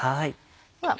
では